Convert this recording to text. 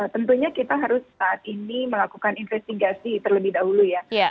tentunya kita harus saat ini melakukan investigasi terlebih dahulu ya